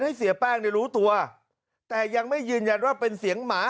หาวหาวหาวหาวหาวหาวหาวหาวหาวหาว